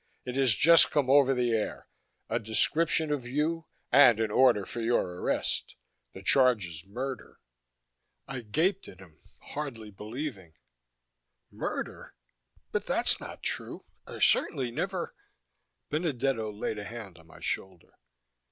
It has just come over the air: A description of you, and an order for your arrest. The charge is murder!" I gaped at him, hardly believing. "Murder! But that's not true; I certainly never " Benedetto laid a hand on my shoulder.